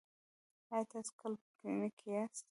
ایا تاسو کله په کلینیک کې یاست؟